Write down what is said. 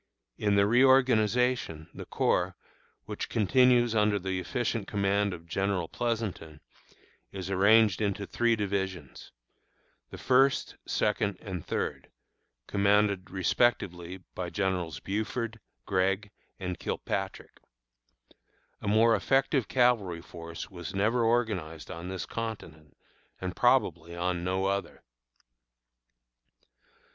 In the reorganization, the corps, which continues under the efficient command of General Pleasonton, is arranged into three divisions, the First, Second, and Third, commanded respectively by Generals Buford, Gregg, and Kilpatrick. A more effective cavalry force was never organized on this continent, and probably on no other.